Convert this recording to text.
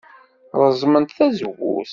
Reẓẓment tazewwut.